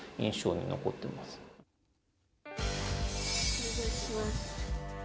お願いします。